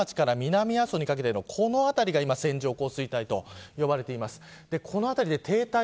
東側の益城町から南阿蘇にかけてのこの辺りが今、線状降水帯と呼ばれています。